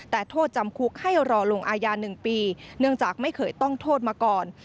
แต่โทษจำคุกให้รอลงอายา๑ปีเนื่องจากไม่เคยต้องโทษมาก่อน